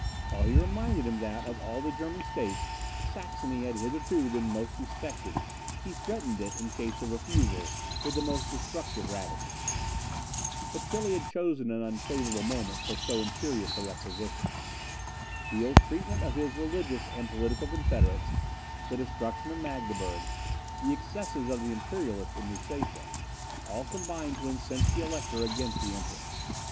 While he reminded him that, of all the German states, Saxony had hitherto been most respected, he threatened it, in case of refusal, with the most destructive ravages. But Tilly had chosen an unfavourable moment for so imperious a requisition. The ill treatment of his religious and political confederates, the destruction of Magdeburg, the excesses of the Imperialists in Lusatia, all combined to incense the Elector against the Emperor.